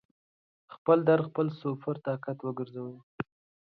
خپل درد خپل سُوپر طاقت وګرځوئ